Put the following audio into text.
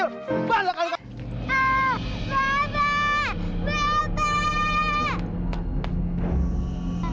ah bapak bapak